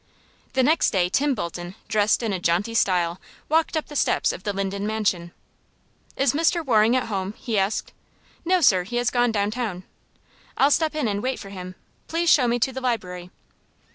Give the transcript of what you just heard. The next day Tim Bolton, dressed in a jaunty style, walked up the steps of the Linden mansion. "Is Mr. Waring at home?" he asked. "No, sir; he has gone downtown." "I'll step in and wait for him. Please show me to the library."